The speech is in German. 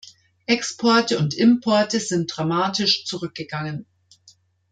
Exporte und Importe sind dramatisch zurückgegangen.